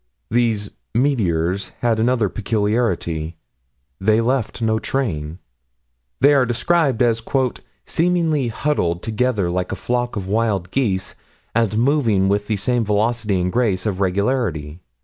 These "meteors" had another peculiarity; they left no train. They are described as "seemingly huddled together like a flock of wild geese, and moving with the same velocity and grace of regularity."